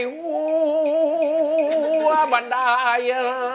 วูวว่ามันไดย